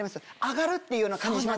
上がるっていうような感じしません？